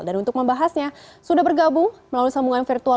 dan untuk membahasnya sudah bergabung melalui sambungan virtual